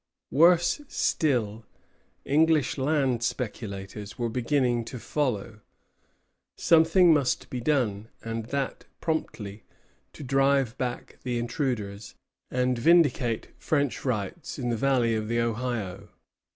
Worse still, English land speculators were beginning to follow. Something must be done, and that promptly, to drive back the intruders, and vindicate French rights in the valley of the Ohio.